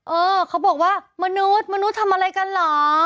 เออเขาบอกว่ามนุษย์มนุษย์ทำอะไรกันเหรอ